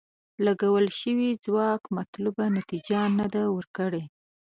لګول شوی ځواک مطلوبه نتیجه نه ده ورکړې.